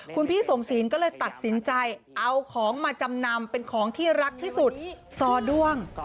คุณพี่สมศีลก็เลยตัดสินใจเอาของมาจำนำเป็นของที่รักที่สุดซอด้วง